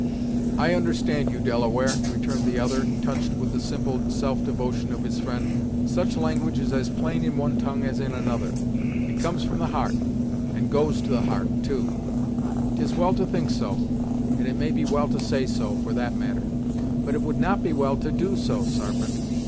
"I understand you, Delaware," returned the other, touched with the simple self devotion of his friend, "Such language is as plain in one tongue as in another. It comes from the heart, and goes to the heart, too. 'Tis well to think so, and it may be well to say so, for that matter, but it would not be well to do so, Sarpent.